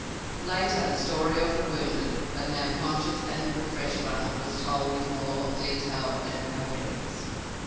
Later the story of the wounded, but now conscious and refreshed runner, was told with more of detail and coherence.